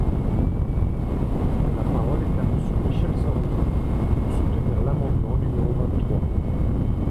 La parole est à Monsieur Michel Sordi, pour soutenir l’amendement numéro vingt-trois.